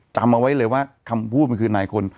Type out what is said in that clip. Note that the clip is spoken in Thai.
จำเอาไว้เลยว่าคำพูดมันคือนายคน